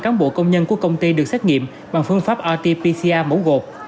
bốn bốn trăm linh cán bộ công nhân của công ty được xét nghiệm bằng phương pháp rt pcr mẫu gột